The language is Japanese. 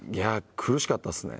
苦しかったですね。